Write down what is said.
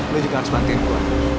lo juga harus bantuin gue